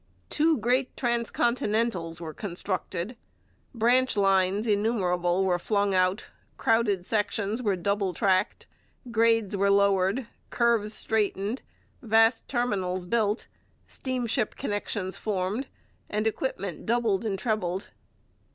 Two great transcontinentals were constructed. Branch lines innumerable were flung out, crowded sections were double tracked, grades were lowered, curves straightened, vast terminals built, steamship connections formed, and equipment doubled and trebled.